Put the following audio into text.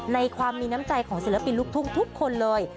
ในความมีน้ำใจของศิลปินลูกทุ่งทุกคนเลย